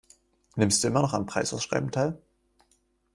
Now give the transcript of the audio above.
Nimmst du immer noch an Preisausschreiben teil?